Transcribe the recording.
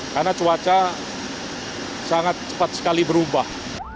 karena cuaca sangat cepat sekali berubah